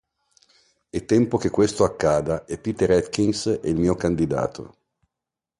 È tempo che questo accada e Peter Atkins è il mio candidato".